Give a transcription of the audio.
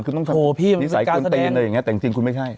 คุณต้องทำนิสัยคุณเป็นตัวเย็นอย่างนี้แต่จริงคุณไม่ใช่